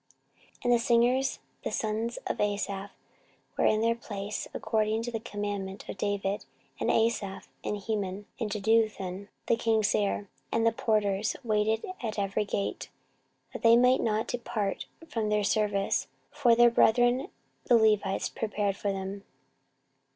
14:035:015 And the singers the sons of Asaph were in their place, according to the commandment of David, and Asaph, and Heman, and Jeduthun the king's seer; and the porters waited at every gate; they might not depart from their service; for their brethren the Levites prepared for them.